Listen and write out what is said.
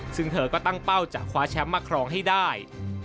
ซึ่งเธอก็ตั้งเป้าจะคว้าแชมป์มาครองให้ได้